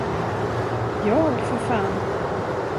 Jag, för fan!